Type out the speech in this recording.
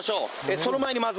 その前にまず。